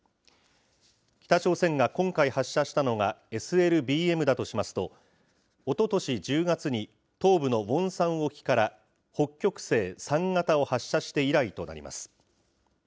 北朝鮮が今回発射したのがＳＬＢＭだとしますと、おととし１０月に東部のウォンサン沖から北極星３型を発射して以来となります。